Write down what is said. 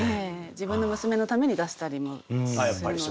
自分の娘のために出したりもするので。